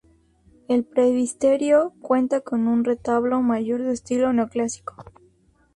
El presbiterio cuenta con un retablo mayor de estilo neoclásico.